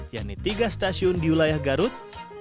yakni tiga stasiun di wilayah garut